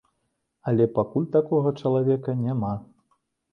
Але пакуль такога чалавека няма.